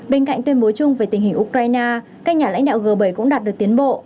bên cạnh tuyên bố chung về tình hình ukraine các nhà lãnh đạo g bảy cũng đạt được tiến bộ